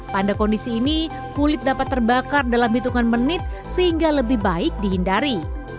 pada kondisi ini kulit dapat terbakar dalam hitungan menit sehingga lebih baik dihindari